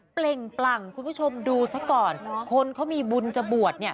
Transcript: เปล่งปลั่งคุณผู้ชมดูซะก่อนคนเขามีบุญจะบวชเนี่ย